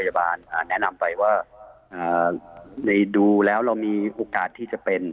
แนะนำไปว่าในดูแล้วเรามีโอกาสที่จะเป็น